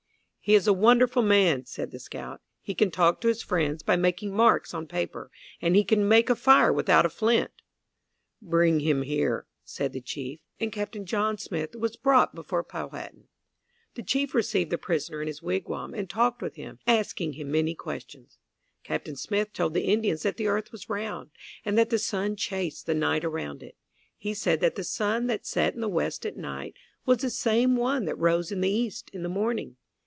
"He is a wonderful man," said the scout. "He can talk to his friends by making marks on paper, and he can make a fire without a flint." "Bring him here," said the chief, and Captain John Smith was brought before Powhatan. The chief received the prisoner in his wigwam, and talked with him, asking him many questions. Captain Smith told the Indians that the earth was round, and that the sun chased the night around it. He said that the sun that set in the west at night was the same sun that rose in the east in the morning.